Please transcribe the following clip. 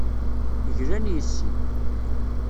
Glan yes-i.